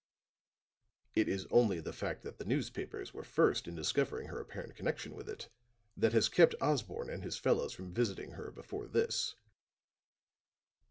"It is only the fact that the newspapers were first in discovering her apparent connection with it, that has kept Osborne and his fellows from visiting her before this.